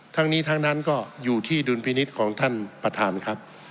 ทั้งนี้ทั้งนั้นก็อยู่ที่ดุลพินิษฐ์ของท่านประธานครับ